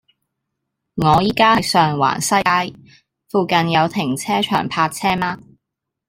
我依家喺上環西街，附近有停車場泊車嗎